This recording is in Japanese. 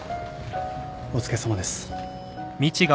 お疲れさまです。